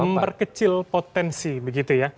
memperkecil potensi begitu ya